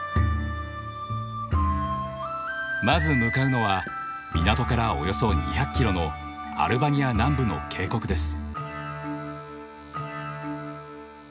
まず向かうのは港からおよそ２００キロのアルバニア南部の渓谷です。